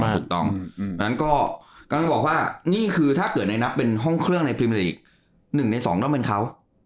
ถูกต้องดังนั้นก็ต้องบอกว่านี่คือถ้าเกิดในนับเป็นห้องเครื่องในพรีเมลีก๑ใน๒ต้องเป็นเขา